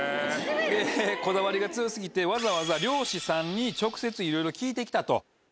こだわりが強過ぎてわざわざ猟師さんに直接いろいろ聞いて来たと。